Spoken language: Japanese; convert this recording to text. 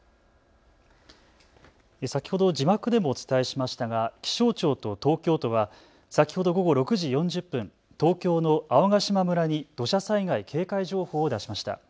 先ほど字幕でもお伝えしましたが気象庁と東京都は先ほど午後６時４０分、東京の青ヶ島村に土砂災害警戒情報を出しました。